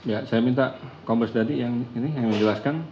ya saya minta komplos dadi yang ini yang menjelaskan